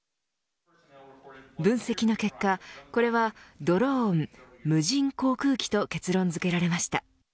分析の結果、これはドローン無人航空機と結論づけられました。